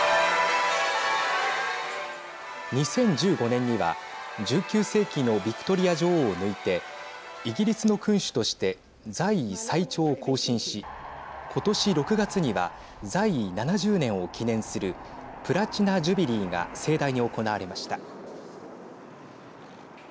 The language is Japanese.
２０１５年には１９世紀のビクトリア女王を抜いてイギリスの君主として在位最長を更新し今年６月には在位７０年を記念するプラチナ・ジュビリーが盛大に行われました。